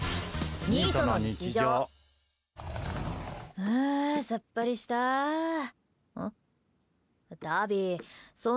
うわぁ、さっぱりした！ん？